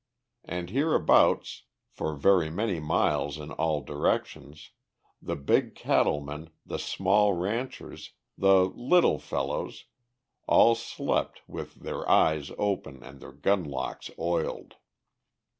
And hereabouts, for very many miles in all directions, the big cattle men, the small ranchers, the "little fellows," all slept "with their eyes open and their gunlocks oiled."